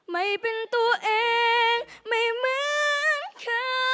ไม่เป็นตัวเองไม่เหมือนเธอ